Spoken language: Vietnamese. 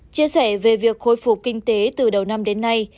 chia sẻ về việc khôi phục kinh tế từ đầu năm đến nay